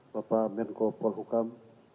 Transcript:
bapak menko polhukam